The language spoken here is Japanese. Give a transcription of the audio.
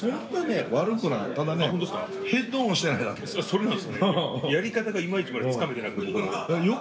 それなんですよね。